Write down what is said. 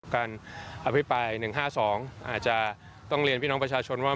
การอภิปราย๑๕๒อาจจะต้องเรียนพี่น้องประชาชนว่า